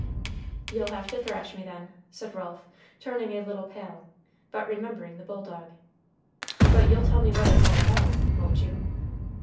"You'll have to thrash me, then," said Ralph, turning a little pale, but remembering the bulldog. "But you'll tell me what It's all about, won't you?"